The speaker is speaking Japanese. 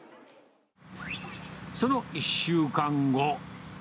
その１週間後。